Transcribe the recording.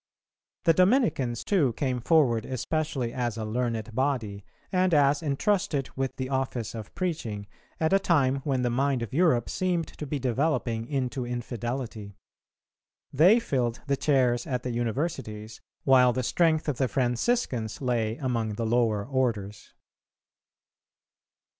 The Dominicans too came forward especially as a learned body, and as entrusted with the office of preaching, at a time when the mind of Europe seemed to be developing into infidelity. They filled the chairs at the Universities, while the strength of the Franciscans lay among the lower orders.